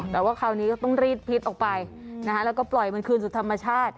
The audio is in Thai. แต่ว่าคราวนี้ก็ต้องรีดพิษออกไปแล้วก็ปล่อยมันคืนสู่ธรรมชาติ